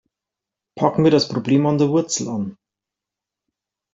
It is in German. Packen wir das Problem an der Wurzel an.